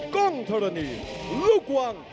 กองเทอร์นีลูกวัง